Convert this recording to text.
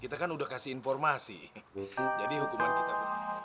kita kan udah kasih informasi jadi hukuman kita